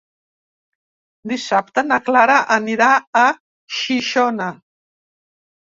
Dissabte na Clara anirà a Xixona.